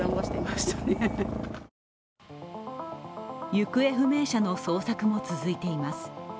行方不明者の捜索も続いています。